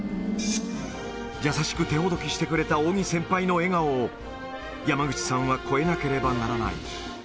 優しく手ほどきしてくれた扇先輩の笑顔を、山口さんは超えなければならない。